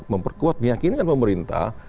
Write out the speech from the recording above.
memperkuat meyakinkan pemerintah